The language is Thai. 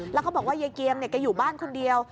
แล้วก็บอกว่ายายเกียมแกอยู่บ้านคนเดียว